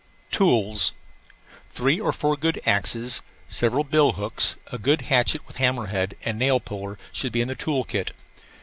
TOOLS Three or four good axes, several bill hooks, a good hatchet with hammer head and nail puller should be in the tool kit.